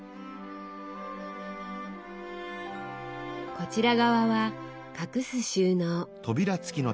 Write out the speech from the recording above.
こちら側は隠す収納。